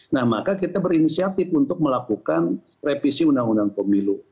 nah maka kita berinisiatif untuk melakukan revisi undang undang pemilu